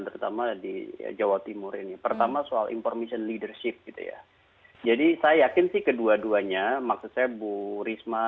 terutama di jawa timur ini pertama soal information leadership gitu ya jadi saya yakin sih kedua duanya maksud saya bu risma